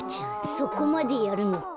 そこまでやるのか。